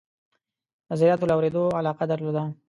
نظریاتو له اورېدلو علاقه درلوده.